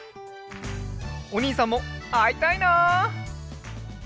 おにいさんもあいたいな！